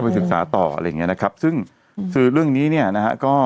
ศึกษาต่ออะไรอย่างเงี้ยนะครับซึ่งคือเรื่องนี้เนี่ยนะฮะก็